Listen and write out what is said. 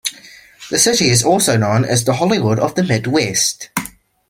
The city is also known as the Hollywood of the Midwest.